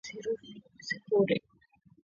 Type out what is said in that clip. dola sifuri